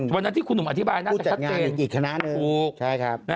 วันนั้นที่คุณหนุ่มอธิบายน่าจะคัดเจน